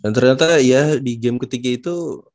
dan ternyata ya di game ketiga itu